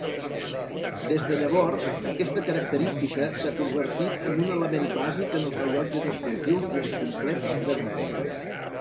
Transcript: Des de llavors, aquesta característica s'ha convertit en un element bàsic en els rellotges esportius més complets de Garmin.